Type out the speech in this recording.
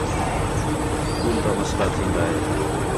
اسکول تا مسئلہ تِھین٘دا ہِے